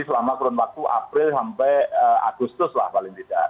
selama kurun waktu april sampai agustus lah paling tidak